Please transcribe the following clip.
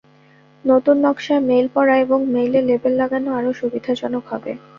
নতুন নকশায় মেইল পড়া এবং মেইলে লেবেল লাগানো আরও সুবিধাজনক হবে।